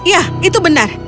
ya itu benar